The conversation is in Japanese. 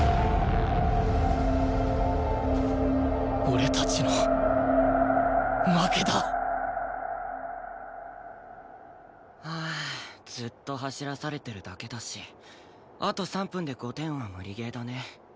俺たちの負けだ！ああずっと走らされてるだけだしあと３分で５点は無理ゲーだね。